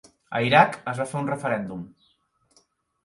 A Iraq es va fer un referèndum